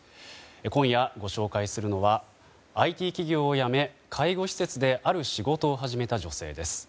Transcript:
今夜、ご紹介するのはＩＴ企業を辞め、介護施設である仕事を始めた女性です。